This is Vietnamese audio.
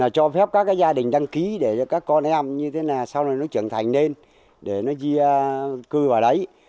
cho phép các gia đình đăng ký để cho các con em như thế nào sau này nó trưởng thành lên để nó chia cư vào đấy